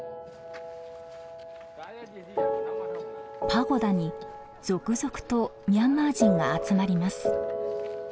パゴダに続々とミャンマー人が集まります。